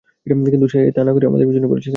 কিন্তু সে তা না করে আমাদের পিছনে পড়েছে কেন?